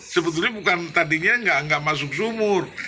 sebetulnya bukan tadinya nggak masuk sumur